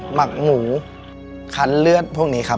หมักหมูคันเลือดพวกนี้ครับ